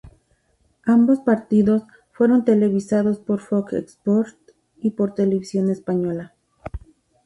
Ambos partidos, fueron televisados por Fox Sports y por Televisión Española.